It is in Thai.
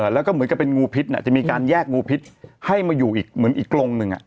แล้วก็เหมือนกับเป็นงูพิษจะมีการแยกงูพิษให้มาอยู่อีกเหมือนอีกกรงหนึ่ง